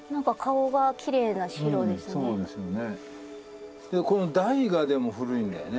うんそうですよね。